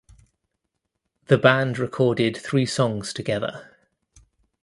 The band recorded three songs together.